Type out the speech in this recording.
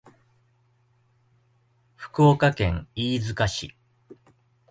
福岡県飯塚市